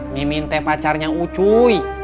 mimin teh pacarnya ucuy